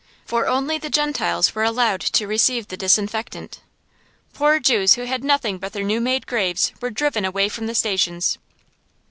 For only the Gentiles were allowed to receive the disinfectant. Poor Jews who had nothing but their new made graves were driven away from the stations.